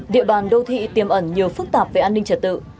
địa bàn đô thị tiêm ẩn nhiều phức tạp về an ninh trật tự